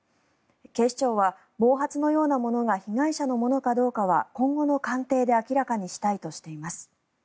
警視庁は、毛髪のようなものが被害者のものかどうかは今後の鑑定で明らかにしたいとしています。